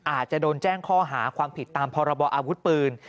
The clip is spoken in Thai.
อาจจะโดนแจ้งข้อหาความผิดตามพรบออาวุธปืน